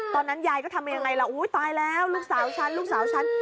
ตอนนั้นยายก็ทำยังไงล่ะอุ้ยตายแล้วลูกสาวฉันลูกสาวฉัน